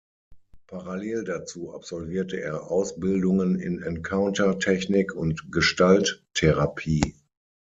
Parallel dazu absolvierte er Ausbildungen in Encounter-Technik und Gestalttherapie.